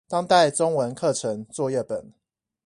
當代中文課程作業本